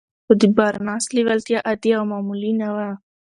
خو د بارنس لېوالتیا عادي او معمولي نه وه.